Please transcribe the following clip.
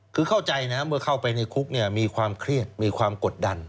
คือเข้าใจนะเมื่อเข้าไปในคุกเนี่ยมีความเครียดมีความกดดัน